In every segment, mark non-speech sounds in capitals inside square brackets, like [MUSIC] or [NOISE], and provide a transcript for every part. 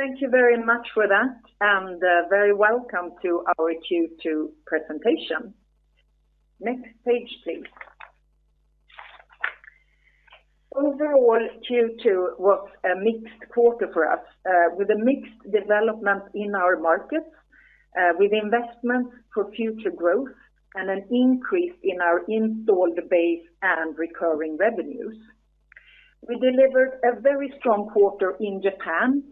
Thank you very much for that. Very welcome to our Q2 presentation. Next page, please. Overall, Q2 was a mixed quarter for us, with a mixed development in our markets, with investment for future growth and an increase in our installed base and recurring revenues. We delivered a very strong quarter in Japan,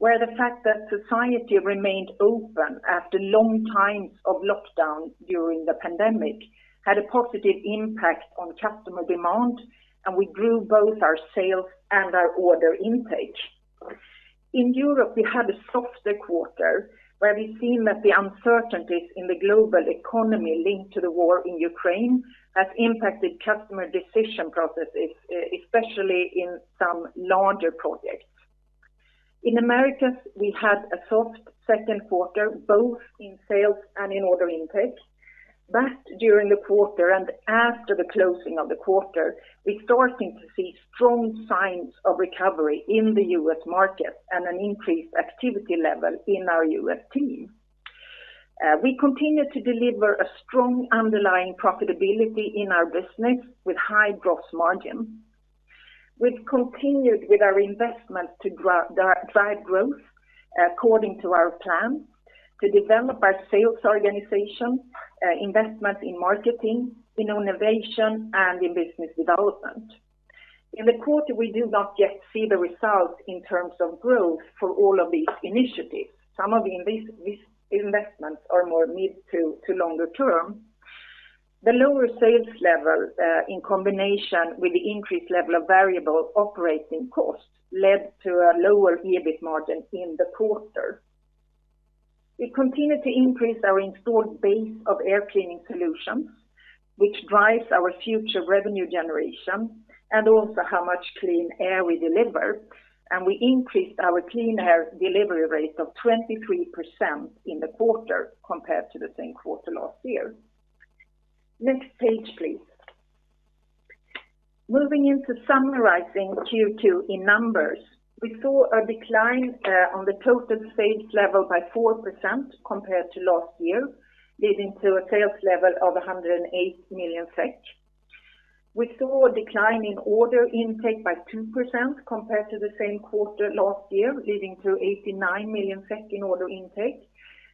where the fact that society remained open after long times of lockdown during the pandemic had a positive impact on customer demand, and we grew both our sales and our order intake. In Europe, we had a softer quarter, where we've seen that the uncertainties in the global economy linked to the war in Ukraine has impacted customer decision processes, especially in some larger projects. In Americas, we had a soft second quarter, both in sales and in order intake. During the quarter and after the closing of the quarter, we're starting to see strong signs of recovery in the U.S. market and an increased activity level in our U.S. team. We continue to deliver a strong underlying profitability in our business with high gross margin. We've continued with our investment to drive growth according to our plan to develop our sales organization, investment in marketing, in innovation, and in business development. In the quarter, we do not yet see the results in terms of growth for all of these initiatives. Some of these investments are more mid- to longer term. The lower sales level, in combination with the increased level of variable operating costs led to a lower EBIT margin in the quarter. We continue to increase our installed base of air cleaning solutions, which drives our future revenue generation and also how much clean air we deliver. We increased our Clean Air Delivery Rate of 23% in the quarter compared to the same quarter last year. Next page, please. Moving into summarizing Q2 in numbers, we saw a decline on the total sales level by 4% compared to last year, leading to a sales level of 108 million SEK. We saw a decline in order intake by 2% compared to the same quarter last year, leading to 89 million in order intake.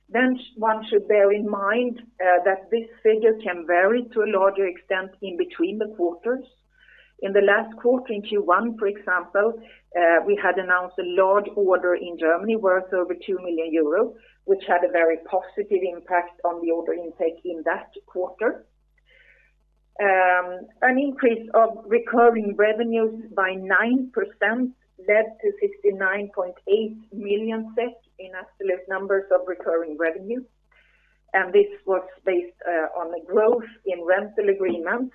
One should bear in mind that this figure can vary to a larger extent in between the quarters. In the last quarter, in Q1, for example, we had announced a large order in Germany worth over 2 million euros, which had a very positive impact on the order intake in that quarter. An increase of recurring revenues by 9% led to 69.8 million SEK in absolute numbers of recurring revenue. This was based on a growth in rental agreements,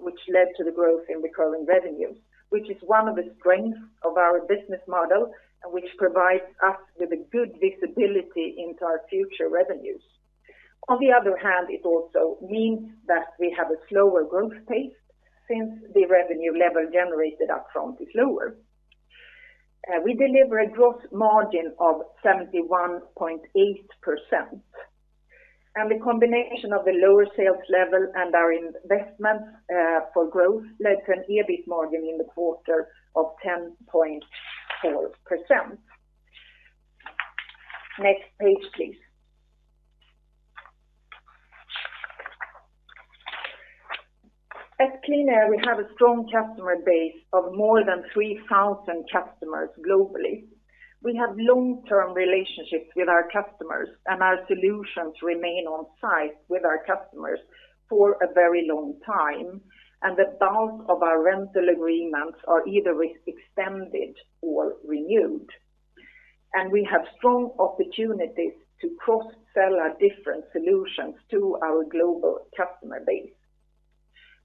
which led to the growth in recurring revenues, which is one of the strengths of our business model and which provides us with a good visibility into our future revenues. On the other hand, it also means that we have a slower growth pace since the revenue level generated up front is lower. We deliver a gross margin of 71.8%. The combination of the lower sales level and our investments for growth led to an EBIT margin in the quarter of 10.4%. Next page, please. At QleanAir, we have a strong customer base of more than 3,000 customers globally. We have long-term relationships with our customers, and our solutions remain on site with our customers for a very long time, and the bulk of our rental agreements are either re-extended or renewed. We have strong opportunities to cross-sell our different solutions to our global customer base.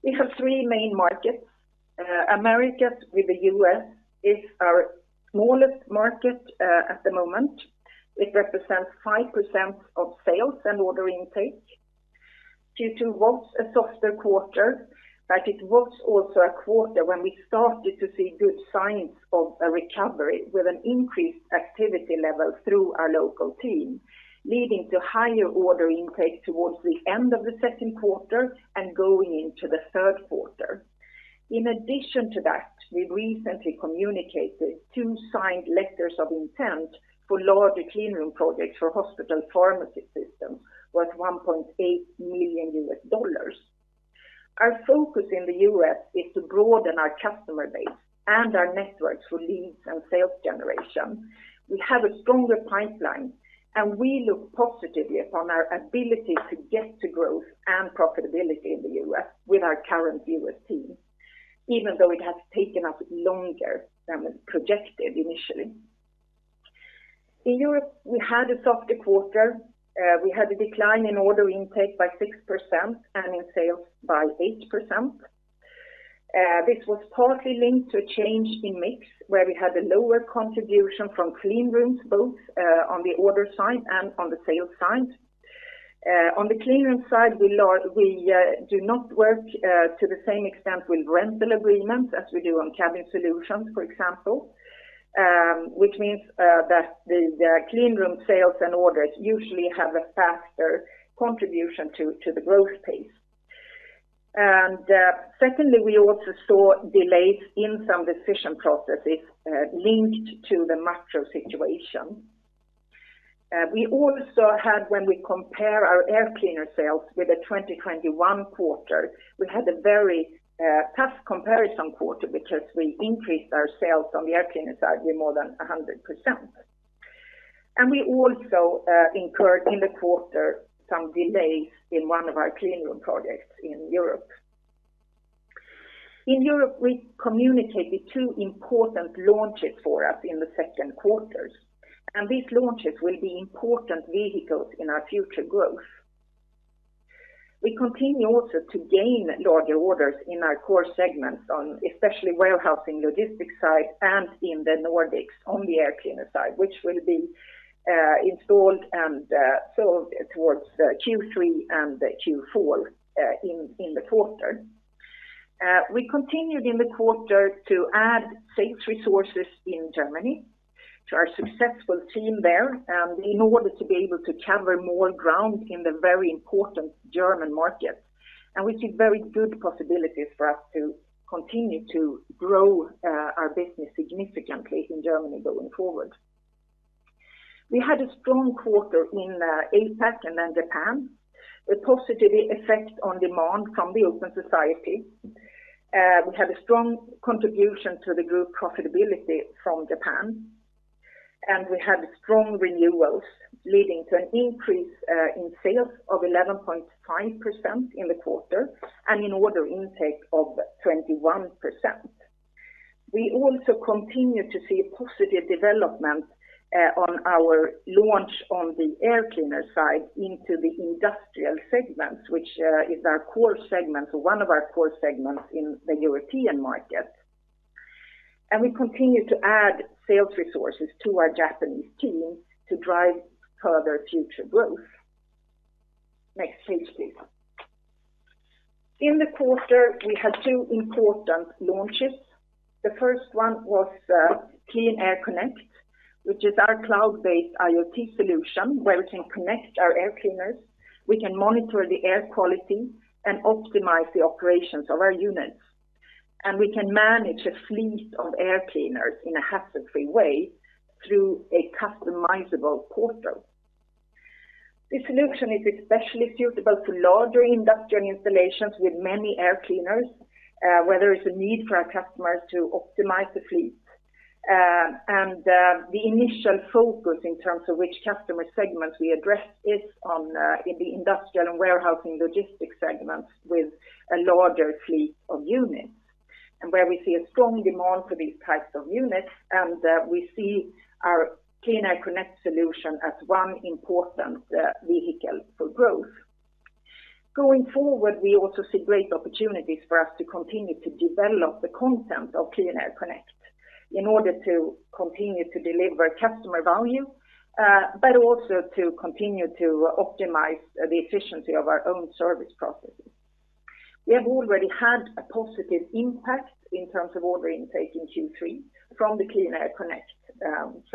We have three main markets. Americas with the U.S. is our smallest market, at the moment. It represents 5% of sales and order intake. Q2 was a softer quarter, but it was also a quarter when we started to see good signs of a recovery with an increased activity level through our local team, leading to higher order intake towards the end of the second quarter and going into the third quarter. In addition to that, we recently communicated two signed letters of intent for larger clean room projects for hospital pharmacy systems worth $1.8 million. Our focus in the U.S. is to broaden our customer base and our networks for leads and sales generation. We have a stronger pipeline, and we look positively upon our ability to get to growth and profitability in the U.S. with our current U.S. team, even though it has taken us longer than was projected initially. In Europe, we had a softer quarter. We had a decline in order intake by 6% and in sales by 8%. This was partly linked to a change in mix where we had a lower contribution from Cleanrooms both on the order side and on the sales side. On the Cleanroom side, we do not work to the same extent with rental agreements as we do on Cabin Solutions, for example. Which means that the Cleanroom sales and orders usually have a faster contribution to the growth pace. Secondly, we also saw delays in some decision processes linked to the macro situation. We also had, when we compare our air cleaner sales with the 2021 quarter, we had a very tough comparison quarter because we increased our sales on the air cleaner side with more than 100%. We also incurred in the quarter some delays in one of our cleanroom projects in Europe. In Europe, we communicated two important launches for us in the second quarter, and these launches will be important vehicles in our future growth. We continue also to gain larger orders in our core segments especially on warehousing logistics side and in the Nordics on the air cleaner side, which will be installed and sold towards Q3 and Q4 in the quarter. We continued in the quarter to add sales resources in Germany to our successful team there and in order to be able to cover more ground in the very important German market. We see very good possibilities for us to continue to grow our business significantly in Germany going forward. We had a strong quarter in APAC and then Japan, a positive effect on demand from the open society. We had a strong contribution to the group profitability from Japan, and we had strong renewals leading to an increase in sales of 11.5% in the quarter and an order intake of 21%. We also continue to see positive development on our launch on the air cleaner side into the industrial segments, which is our core segment or one of our core segments in the European market. We continue to add sales resources to our Japanese team to drive further future growth. Next page, please. In the quarter, we had two important launches. The first one was QleanAir Connect, which is our cloud-based IoT solution where we can connect our air cleaners, we can monitor the air quality, and optimize the operations of our units. We can manage a fleet of air cleaners in a hassle-free way through a customizable portal. This solution is especially suitable to larger industrial installations with many air cleaners, where there is a need for our customers to optimize the fleet. The initial focus in terms of which customer segments we address is on the industrial and warehousing logistics segments with a larger fleet of units. Where we see a strong demand for these types of units, and we see our QleanAir Connect solution as one important vehicle for growth. Going forward, we also see great opportunities for us to continue to develop the content of QleanAir Connect in order to continue to deliver customer value, but also to continue to optimize the efficiency of our own service processes. We have already had a positive impact in terms of order intake in Q3 from the QleanAir Connect.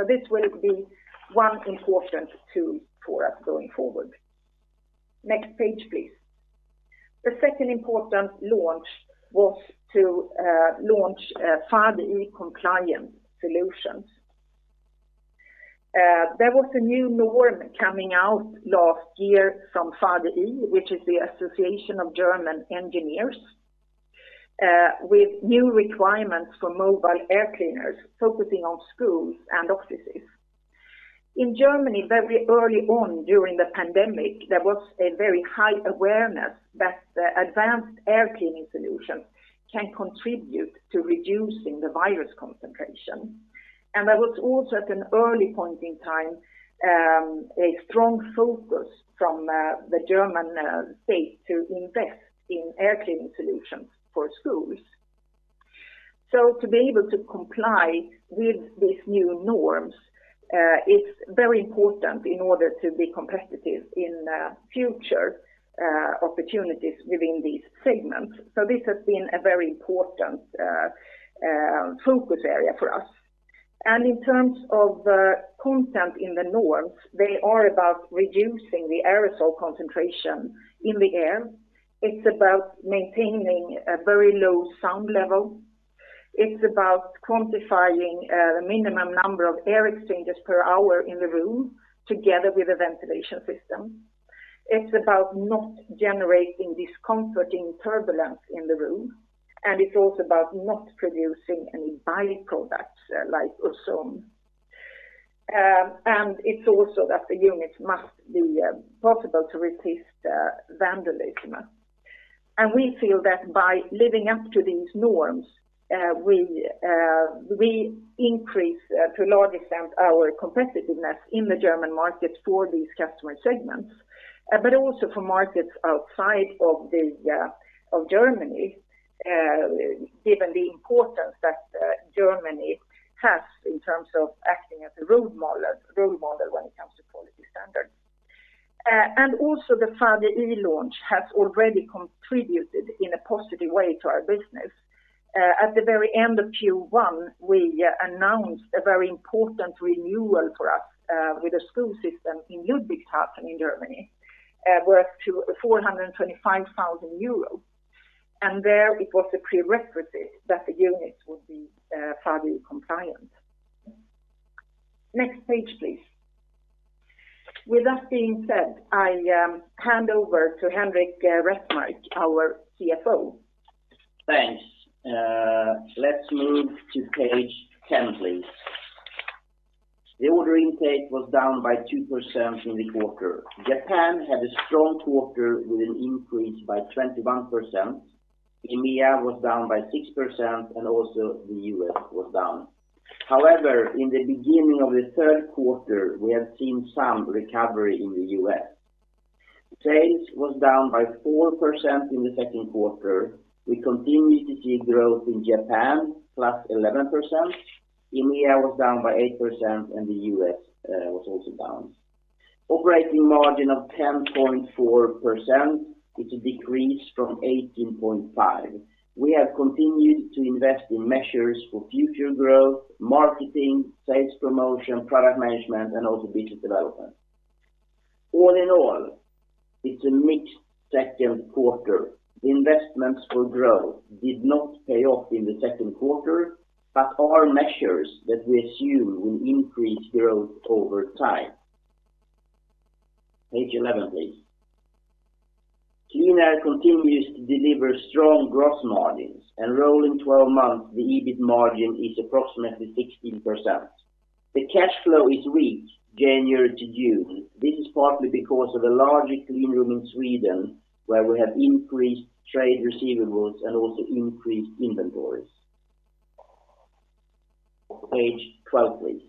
This will be one important tool for us going forward. Next page, please. The second important launch was to launch VDI compliant solutions. There was a new norm coming out last year from VDI, which is the Association of German Engineers, with new requirements for mobile air cleaners focusing on schools and offices. In Germany, very early on during the pandemic, there was a very high awareness that advanced air cleaning solutions can contribute to reducing the virus concentration. There was also at an early point in time a strong focus from the German state to invest in air cleaning solutions for schools. To be able to comply with these new norms is very important in order to be competitive in future opportunities within these segments. This has been a very important focus area for us. In terms of content in the norms, they are about reducing the aerosol concentration in the air. It's about maintaining a very low sound level. It's about quantifying the minimum number of air exchangers per hour in the room together with a ventilation system. It's about not generating discomforting turbulence in the room. It's also about not producing any byproducts like ozone. It's also that the units must be possible to resist vandalism. We feel that by living up to these norms, we increase to a large extent our competitiveness in the German market for these customer segments, but also for markets outside of Germany. Given the importance that Germany has in terms of acting as a role model when it comes to quality standards. The VDI relaunch has already contributed in a positive way to our business. At the very end of Q1, we announced a very important renewal for us with a school system in Ludwigsburg in Germany, worth 425,000 euros. Therefore it was a prerequisite that the units would be VDI compliant. Next page, please. With that being said, I hand over to Henrik Resmark, our CFO. Thanks, let's move to page 10 please. The order intake was down by 2% in the quarter. Japan had a strong quarter with an increase by 21%. EMEA was down by 6% and also the U.S. was down. However, in the beginning of the third quarter, we have seen some recovery in the U.S.. Sales was down by 4% in the second quarter. We continue to see growth in Japan, +11%. EMEA was down by 8% and the US was also down. Operating margin of 10.4%, it decreased from 18.5%. We have continued to invest in measures for future growth, marketing, sales promotion, product management, and also business development. All in all, it's a mixed second quarter. Investments for growth did not pay off in the second quarter, but are measures that we assume will increase growth over time. Page 11, please. QleanAir continues to deliver strong gross margins, and rolling 12 months, the EBIT margin is approximately 16%. The cash flow is weak January to June. This is partly because of a larger clean room in Sweden, where we have increased trade receivables and also increased inventories. Page 12, please.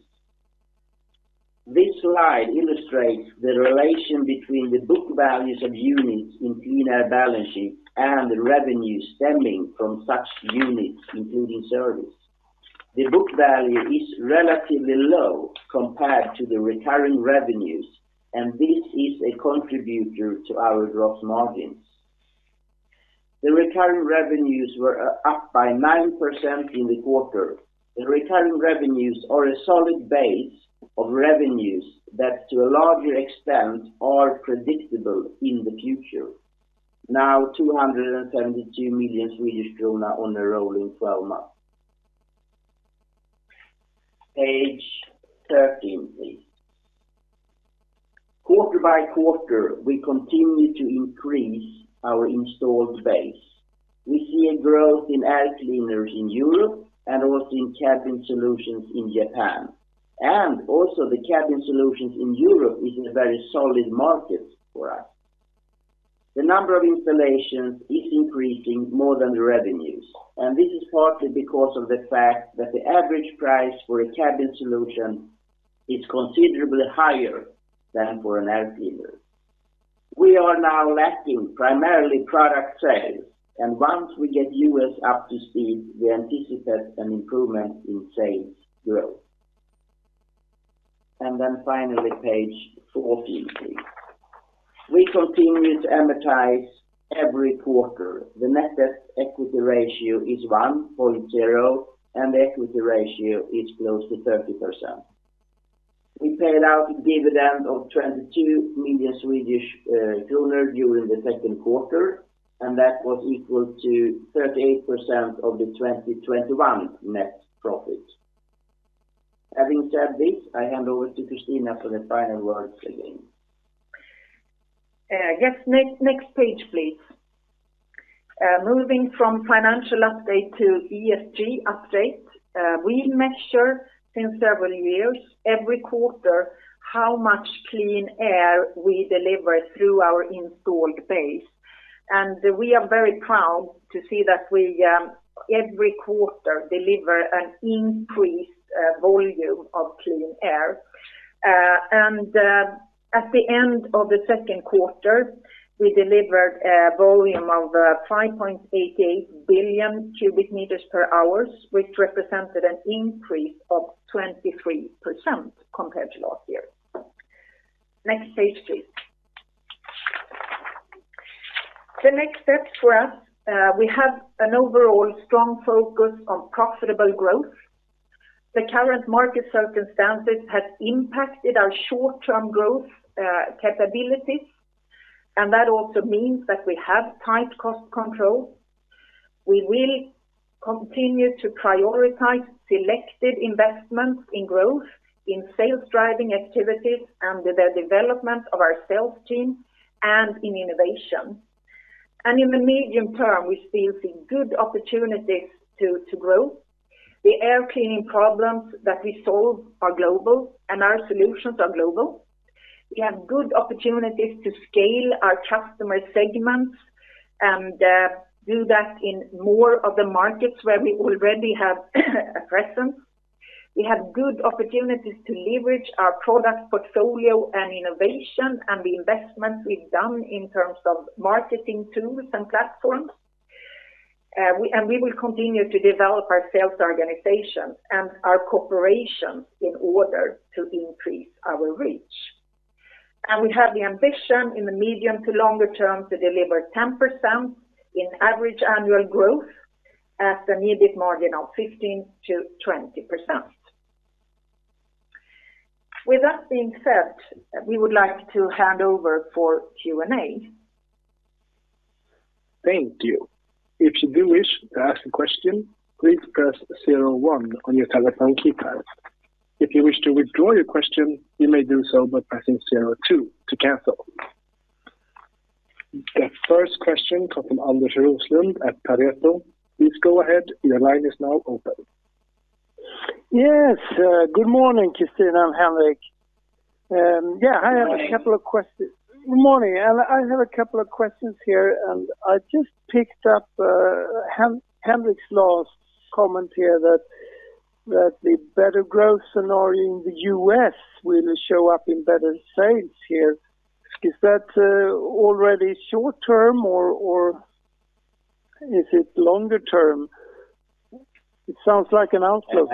This slide illustrates the relation between the book values of units in QleanAir balance sheet and the revenues stemming from such units, including service. The book value is relatively low compared to the recurring revenues, and this is a contributor to our gross margins. The recurring revenues were up by 9% in the quarter. The recurring revenues are a solid base of revenues that to a larger extent are predictable in the future. Now 272 million Swedish kronor on a rolling 12 months. Page 13, please. Quarter by quarter, we continue to increase our installed base. We see a growth in air cleaners in Europe and also in cabin solutions in Japan. The cabin solutions in Europe is a very solid market for us. The number of installations is increasing more than the revenues, and this is partly because of the fact that the average price for a cabin solution is considerably higher than for an air cleaner. We are now lacking primarily product sales, and once we get US up to speed, we anticipate an improvement in sales growth. Then finally page 14, please. We continue to amortize every quarter. The net debt equity ratio is 1.0, and the equity ratio is close to 30%. We paid out a dividend of 22 million Swedish kronor during the second quarter, and that was equal to 38% of the 2021 net profit. Having said this, I hand over to Christina for the final words again. Yes. Next page, please. Moving from financial update to ESG update, we measure since several years every quarter how much clean air we deliver through our installed base. We are very proud to see that we every quarter deliver an increased volume of clean air. At the end of the second quarter, we delivered a volume of 5.88 billion cubic meters per hour, which represented an increase of 23% compared to last year. Next page, please. The next steps for us, we have an overall strong focus on profitable growth. The current market circumstances have impacted our short-term growth capabilities, and that also means that we have tight cost control. We will continue to prioritize selected investments in growth, in sales driving activities, and the development of our sales team, and in innovation. In the medium term, we still see good opportunities to grow. The air cleaning problems that we solve are global, and our solutions are global. We have good opportunities to scale our customer segments and do that in more of the markets where we already have a presence. We have good opportunities to leverage our product portfolio and innovation and the investments we've done in terms of marketing tools and platforms. We will continue to develop our sales organization and our cooperation in order to increase our reach. We have the ambition in the medium to longer term to deliver 10% in average annual growth at an EBIT margin of 15%-20%. With that being said, we would like to hand over for Q&A. Thank you. If you do wish to ask a question, please press zero-one on your telephone keypad. If you wish to withdraw your question, you may do so by pressing zero-two to cancel. The first question come from Anders Roslund at Pareto. Please go ahead. Your line is now open. Yes, good morning, Christina and Henrik. Yeah, I have a couple of questions. Good morning. Good morning. I have a couple of questions here, and I just picked up, Henrik's last comment here that the better growth scenario in the U.S. will show up in better sales here. Is that already short-term or is it longer term? It sounds like an outlook.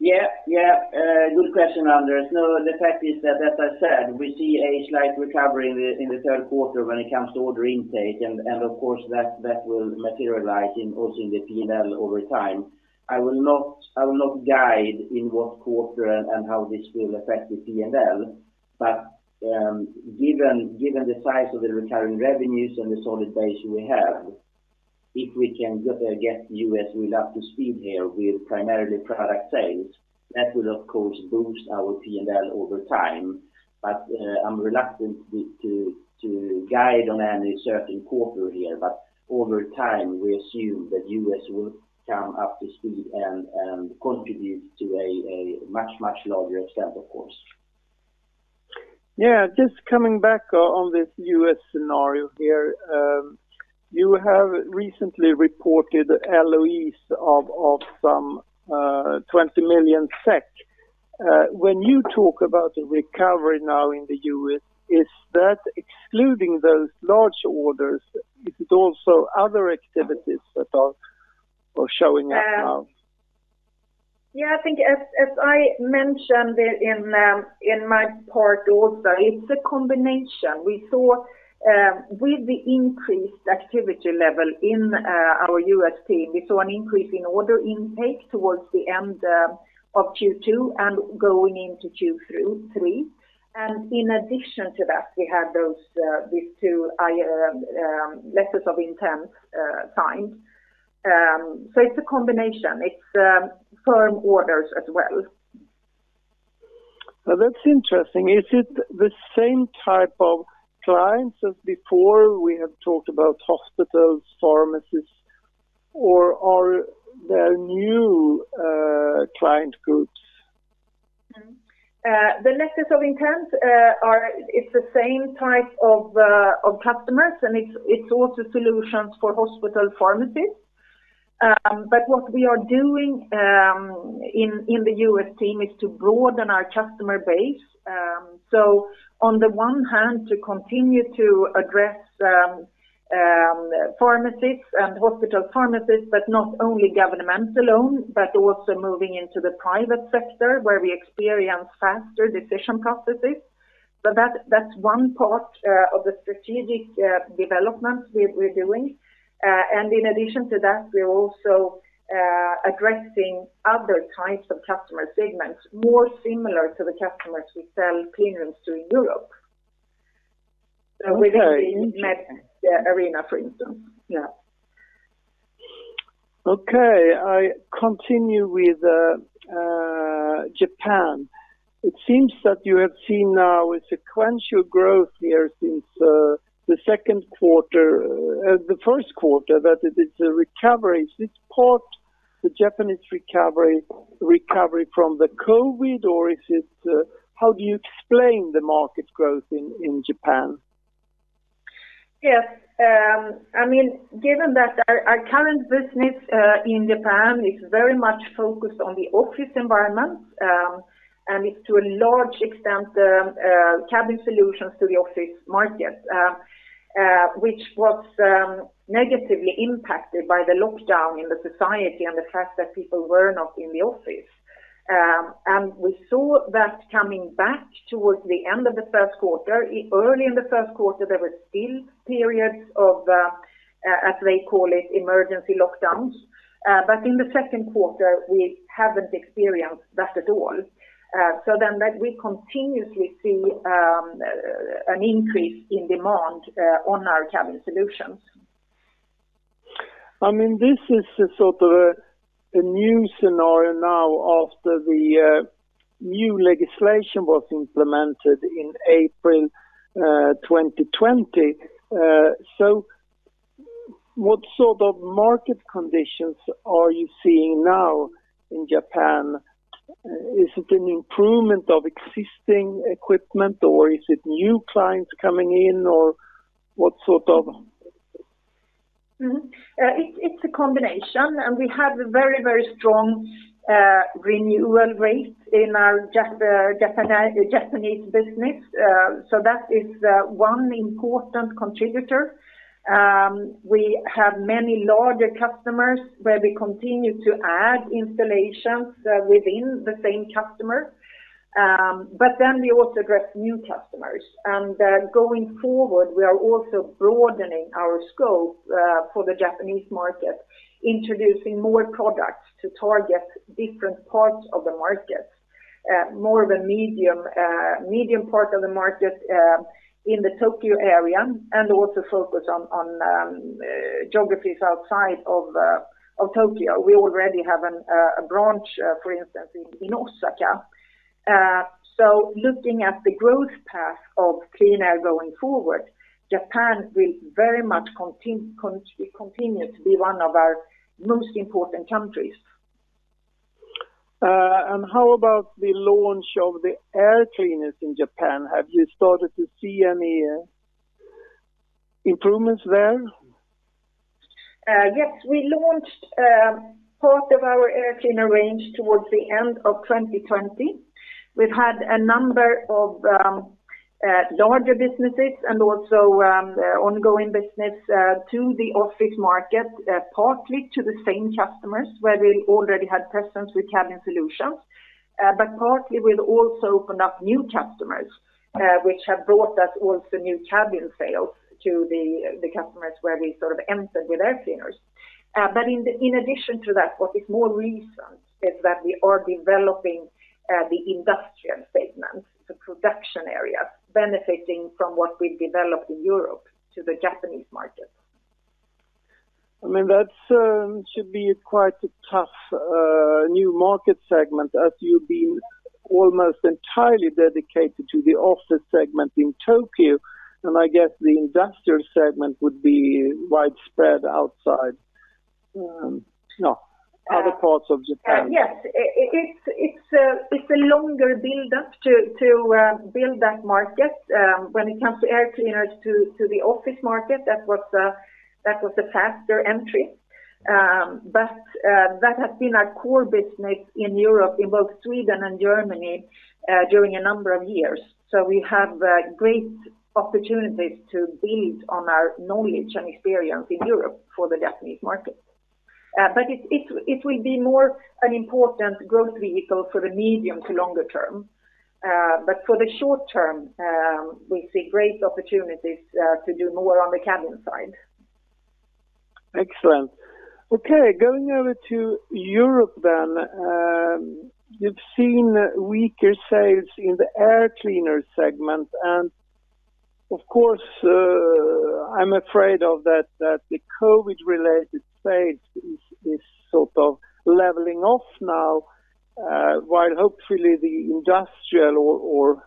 Good question, Anders. No, the fact is that, as I said, we see a slight recovery in the third quarter when it comes to order intake, and of course that will materialize also in the P&L over time. I will not guide in what quarter and how this will affect the P&L. Given the size of the recurring revenues and the solid base we have, if we can get the US wheel up to speed here with primarily product sales, that will of course boost our P&L over time. I'm reluctant to guide on any certain quarter here. Over time, we assume that U.S. will come up to speed and contribute to a much larger extent, of course. Yeah. Just coming back on this U.S. scenario here. You have recently reported LOIs of some 20 million SEK. When you talk about the recovery now in the U.S., is that excluding those large orders, is it also other activities that are showing up now? Yeah, I think as I mentioned in my part also, it's a combination. We saw with the increased activity level in our U.S. team, we saw an increase in order intake towards the end of Q2 and going into Q3. In addition to that, we had these two letters of intent signed. It's a combination. It's firm orders as well. Well, that's interesting. Is it the same type of clients as before we have talked about hospitals, pharmacies, or are there new client groups? The letters of intent are the same type of customers, and it's also solutions for hospital pharmacies. What we are doing in the U.S. team is to broaden our customer base. On the one hand, to continue to address pharmacies and hospital pharmacies, but not only governments alone, but also moving into the private sector where we experience faster decision processes. That's one part of the strategic development we're doing. In addition to that, we're also addressing other types of customer segments more similar to the customers we sell cleaners to in Europe. Okay. Within the, [AUDIO DISTORTION] for instance. Yeah. Okay. I continue with Japan. It seems that you have seen now a sequential growth here since the first quarter that it is a recovery. Is this part the Japanese recovery from the COVID, or is it how do you explain the market growth in Japan? Yes. I mean, given that our current business in Japan is very much focused on the office environment, and it's to a large extent Cabin Solutions to the office market, which was negatively impacted by the lockdown in the society and the fact that people were not in the office. We saw that coming back towards the end of the first quarter. Early in the first quarter, there were still periods of, as they call it, emergency lockdowns. In the second quarter, we haven't experienced that at all. Then that we continuously see an increase in demand on our Cabin Solutions. I mean, this is sort of a new scenario now after the new legislation was implemented in April 2020. What sort of market conditions are you seeing now in Japan? Is it an improvement of existing equipment, or is it new clients coming in, or what sort of It's a combination, and we have a very strong renewal rate in our Japanese business. That is one important contributor. We have many larger customers where we continue to add installations within the same customer. We also address new customers. Going forward, we are also broadening our scope for the Japanese market, introducing more products to target different parts of the market, more of a medium part of the market in the Tokyo area, and also focus on geographies outside of Tokyo. We already have a branch, for instance, in Osaka. Looking at the growth path of QleanAir going forward, Japan will very much continue to be one of our most important countries. How about the launch of the Air Cleaners in Japan? Have you started to see any improvements there? Yes. We launched part of our Air Cleaner range towards the end of 2020. We've had a number of larger businesses and also ongoing business to the office market, partly to the same customers where we already had presence with Cabin Solutions. Partly we've also opened up new customers, which have brought us also new Cabin Solutions sales to the customers where we sort of entered with Air Cleaners. In addition to that, what is more recent is that we are developing the industrial segment, the production area, benefiting from what we've developed in Europe to the Japanese market. I mean, that should be quite a tough new market segment as you've been almost entirely dedicated to the office segment in Tokyo, and I guess the industrial segment would be widespread outside, no, other parts of Japan. Yes. It's a longer build up to build that market. When it comes to air cleaners to the office market, that was a faster entry. That has been our core business in Europe, in both Sweden and Germany, during a number of years. We have great opportunities to build on our knowledge and experience in Europe for the Japanese market. It will be more an important growth vehicle for the medium to longer term. For the short term, we see great opportunities to do more on the cabin side. Excellent. Okay, going over to Europe then. You've seen weaker sales in the air cleaner segment, and of course, I'm afraid that the COVID-related space is sort of leveling off now, while hopefully the industrial or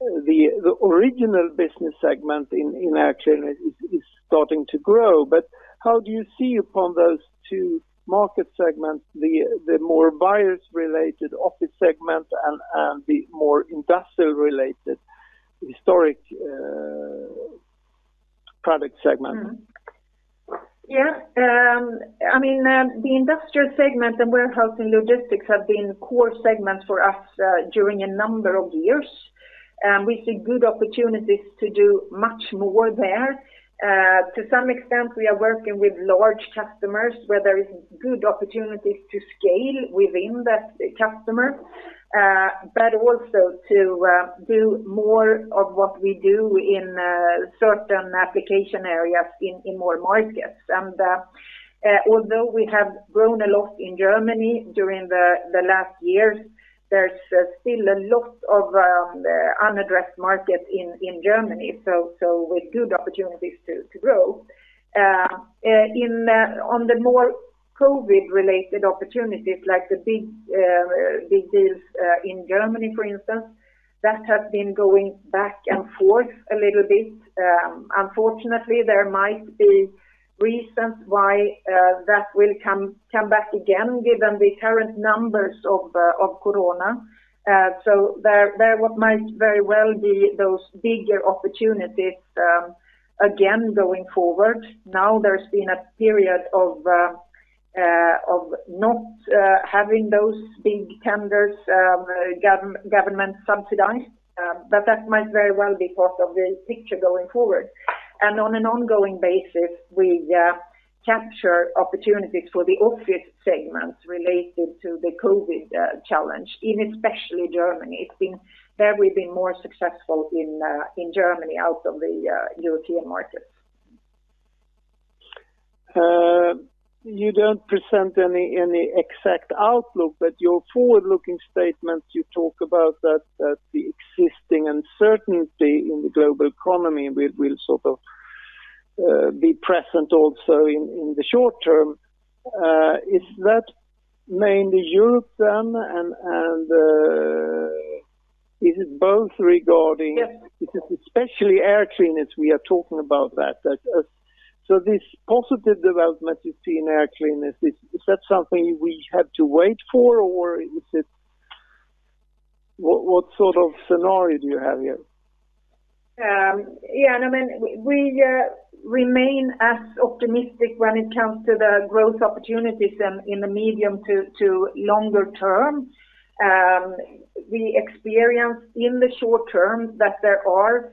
the original business segment in air cleaner is starting to grow. How do you see upon those two market segments, the more virus-related office segment and the more industrial-related historical product segment? I mean, the industrial segment and warehousing logistics have been core segments for us during a number of years. We see good opportunities to do much more there. To some extent, we are working with large customers where there is good opportunities to scale within that customer, but also to do more of what we do in certain application areas in more markets. Although we have grown a lot in Germany during the last years, there's still a lot of unaddressed market in Germany, so with good opportunities to grow. On the more COVID-related opportunities like the big deals in Germany, for instance, that has been going back and forth a little bit. Unfortunately, there might be reasons why that will come back again given the current numbers of Corona. So there might very well be those bigger opportunities again going forward. Now there's been a period of not having those big tenders, government-subsidized. But that might very well be part of the picture going forward. On an ongoing basis, we capture opportunities for the office segments related to the COVID challenge in especially Germany. There we've been more successful in Germany out of the European markets. You don't present any exact outlook, but your forward-looking statement, you talk about that the existing uncertainty in the global economy will sort of be present also in the short term. Is that mainly Europe then and is it both regarding- Yes... because especially air cleaners we are talking about that. That, this positive development you see in air cleaners, is that something we have to wait for or is it? What sort of scenario do you have here? Yeah, no, I mean, we remain as optimistic when it comes to the growth opportunities in the medium to longer term. We experience in the short term that there are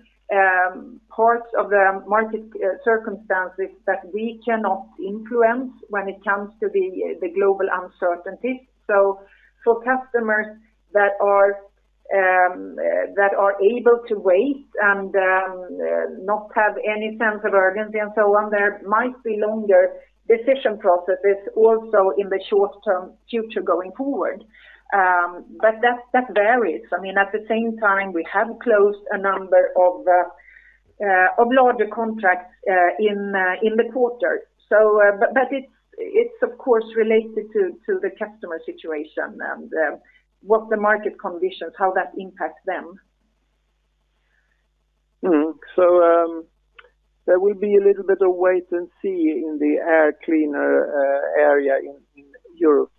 parts of the market circumstances that we cannot influence when it comes to the global uncertainties. For customers that are able to wait and not have any sense of urgency and so on, there might be longer decision processes also in the short term future going forward. That varies. I mean, at the same time, we have closed a number of larger contracts in the quarter. It's of course related to the customer situation and what the market conditions, how that impacts them. There will be a little bit of wait and see in the air cleaner area in Europe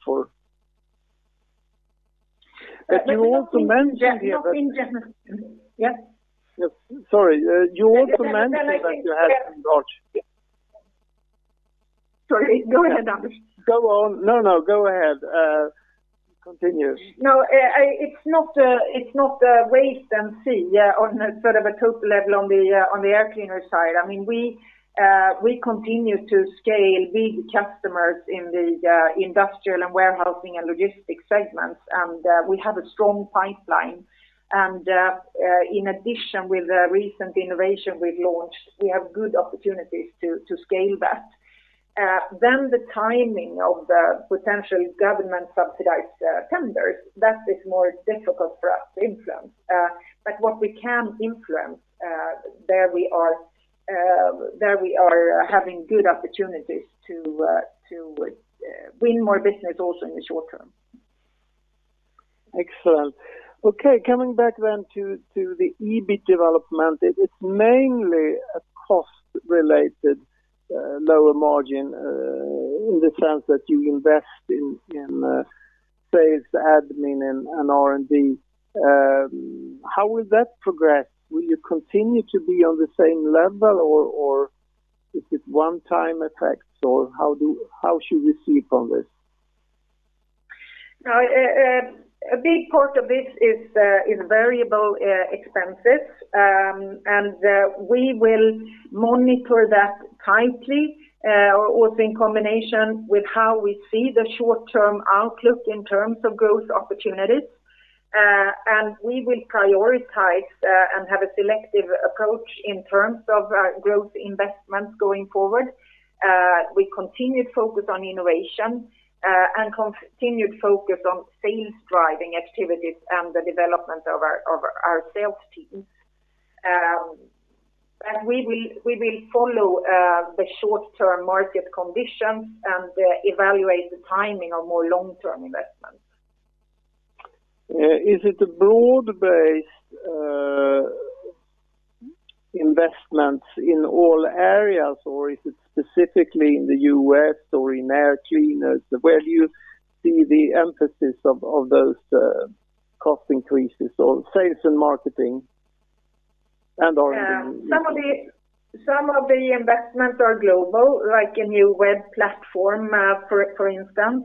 for. You also mentioned here that- Not in general. Yeah? Yeah. Sorry. You also mentioned that you had some large- Sorry. Go ahead, Anders. Go on. No, no, go ahead. Continue. No, it's not wait and see, yeah, on a sort of a total level on the air cleaner side. I mean, we continue to scale big customers in the industrial and warehousing and logistics segments, and we have a strong pipeline. In addition with the recent innovation we've launched, we have good opportunities to scale that. The timing of the potential government subsidized tenders is more difficult for us to influence. What we can influence, there we are having good opportunities to win more business also in the short term. Excellent. Okay, coming back to the EBIT development. It's mainly a cost-related lower margin in the sense that you invest in sales admin and R&D. How will that progress? Will you continue to be on the same level or is it one-time effects, or how should we see from this? No. A big part of this is variable expenses. We will monitor that tightly, also in combination with how we see the short-term outlook in terms of growth opportunities. We will prioritize and have a selective approach in terms of growth investments going forward. We continue to focus on innovation and continue to focus on sales-driving activities and the development of our sales team. We will follow the short-term market conditions and evaluate the timing of more long-term investments. Is it a broad-based investments in all areas, or is it specifically in the U.S. or in air cleaners? Where do you see the emphasis of those cost increases on sales and marketing and R&D? Some of the investments are global, like a new web platform, for instance.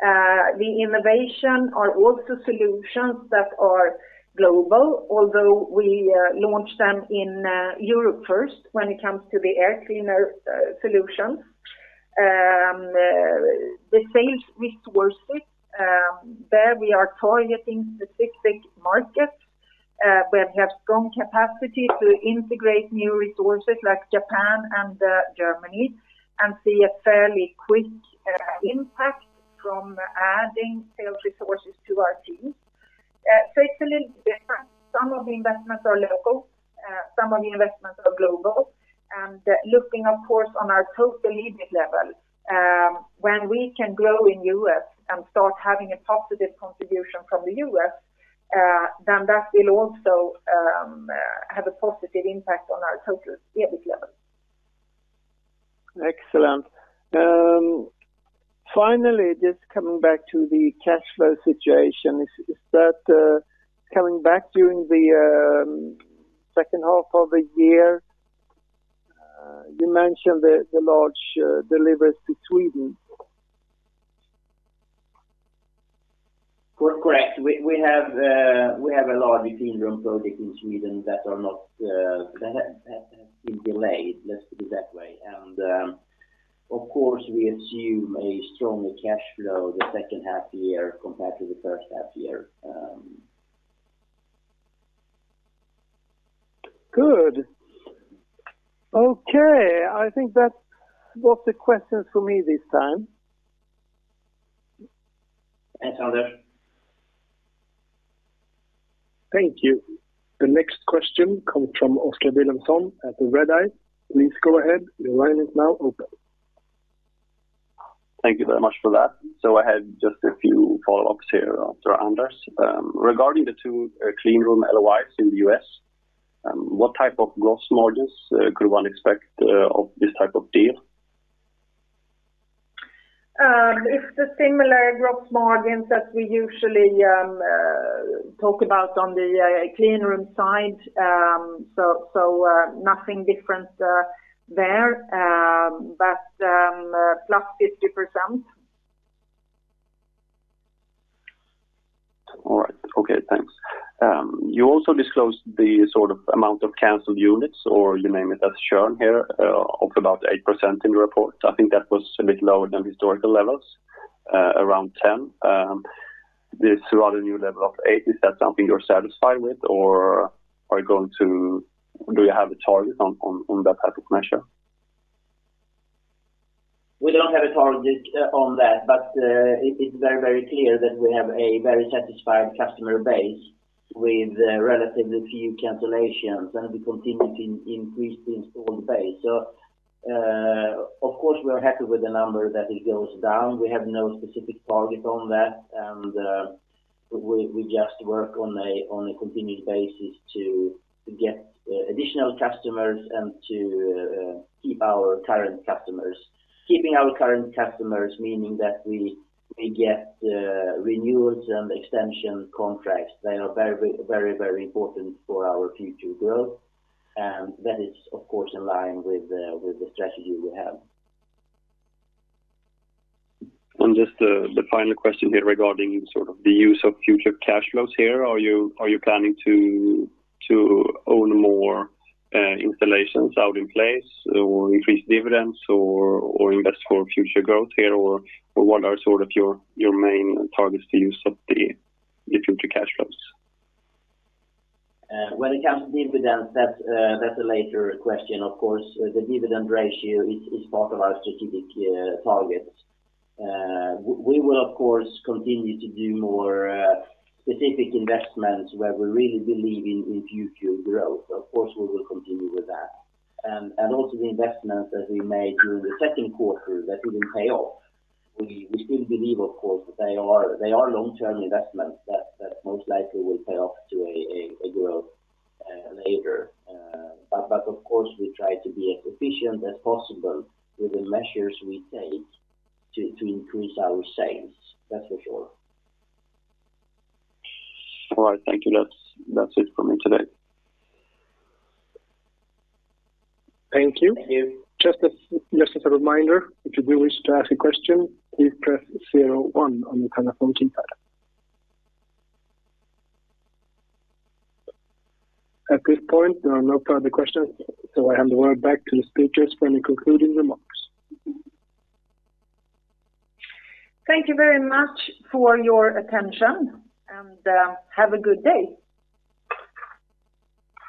The innovations are also solutions that are global, although we launch them in Europe first when it comes to the air cleaner solutions. The sales resources, there we are targeting specific markets, where we have strong capacity to integrate new resources like Japan and Germany, and see a fairly quick impact from adding sales resources to our team. It's a little different. Some of the investments are local, some of the investments are global. Looking of course on our total EBIT level, when we can grow in U.S. and start having a positive contribution from the U.S., then that will also have a positive impact on our total EBIT level. Excellent. Finally, just coming back to the cash flow situation. Is that coming back during the second half of the year? You mentioned the large deliveries to Sweden. Correct. We have a large clean room project in Sweden that have been delayed, let's put it that way. Of course, we assume a stronger cash flow the second half year compared to the first half year. Good. Okay. I think that was the questions for me this time. Thanks, Anders. Thank you. The next question comes from Oskar Vilhelmsson at Redeye. Please go ahead. Your line is now open. Thank you very much for that. I had just a few follow-ups here to Anders. Regarding the two cleanroom LOIs in the U.S., what type of gross margins could one expect of this type of deal? It's the similar gross margins that we usually talk about on the clean room side. Nothing different there. +50%. All right. Okay, thanks. You also disclosed the sort of amount of canceled units, or you name it as churn here, of about 8% in the report. I think that was a bit lower than historical levels, around 10%. This rather new level of 8%, is that something you're satisfied with? Do you have a target on that type of measure? We don't have a target on that, but it is very, very clear that we have a very satisfied customer base with relatively few cancellations, and we continue to increase the installed base. Of course, we are happy with the number that it goes down. We have no specific target on that. We just work on a continued basis to get additional customers and to keep our current customers. Keeping our current customers, meaning that we get renewals and extension contracts that are very, very important for our future growth. That is, of course, in line with the strategy we have. Just the final question here regarding sort of the use of future cash flows here. Are you planning to own more installations or put in place or increase dividends or invest for future growth here or what are sort of your main targets for the use of the future cash flows? When it comes to dividends, that's a later question, of course. The dividend ratio is part of our strategic targets. We will of course continue to do more specific investments where we really believe in future growth. Of course, we will continue with that. The investments that we made during the second quarter that didn't pay off. We still believe, of course, that they are long-term investments that most likely will pay off to a growth later. Of course, we try to be as efficient as possible with the measures we take to increase our sales. That's for sure. All right. Thank you. That's it for me today. Thank you. Thank you. Just as a reminder, if you do wish to ask a question, please press zero one on your telephone keypad. At this point, there are no further questions, so I hand the word back to the speakers for any concluding remarks. Thank you very much for your attention, and have a good day.